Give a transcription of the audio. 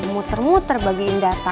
muter muter bagiin data